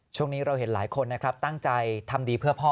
ช่วงนี้เราเห็นหลายคนนะครับตั้งใจทำดีเพื่อพ่อ